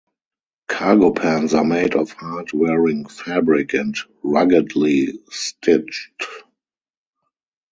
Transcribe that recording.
Cargo pants are made of hard wearing fabric and ruggedly stitched.